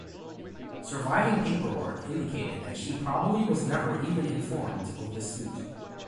Surviving paperwork indicated that she probably was never even informed of the suit.